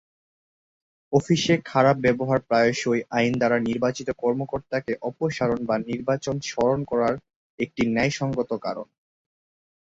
অফিসে খারাপ ব্যবহার প্রায়শই আইন দ্বারা নির্বাচিত কর্মকর্তাকে অপসারণ বা নির্বাচন স্মরণ করার একটি ন্যায়সঙ্গত কারণ।